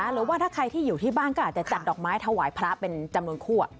หรือว่าถ้าใครที่อยู่ที่บ้านก็อาจจะจัดดอกไม้ถวายพระเป็นจำนวนคั่ว